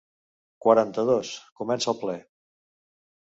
Quaranta-dos – Comença el ple.